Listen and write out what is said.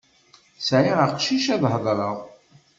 Sεiɣ aqcic ad t-ḥadreɣ.